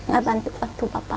tidak membantu bapak